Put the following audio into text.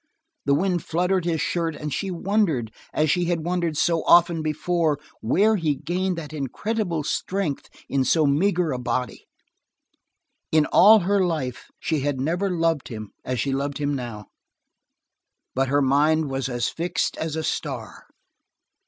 The wind fluttered his shirt and she wondered, as she had wondered so often before, where he gained that incredible strength in so meager a body. In all her life she had never loved him as she loved him now. But her mind was as fixed as a star.